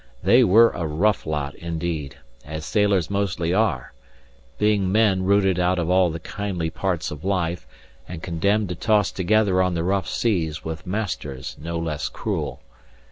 They were a rough lot indeed, as sailors mostly are: being men rooted out of all the kindly parts of life, and condemned to toss together on the rough seas, with masters no less cruel.